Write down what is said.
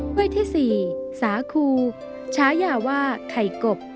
้วยที่๔สาคูฉายาว่าไข่กบ